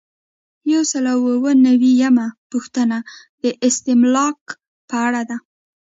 یو سل او اووه نوي یمه پوښتنه د استملاک په اړه ده.